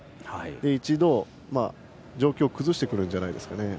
一度、状況を崩してくるんじゃないですかね。